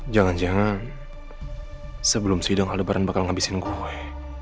jangan jangan sebelum sidang ada baran bakal ngabisin gue